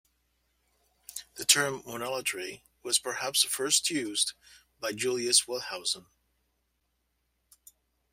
The term "monolatry" was perhaps first used by Julius Wellhausen.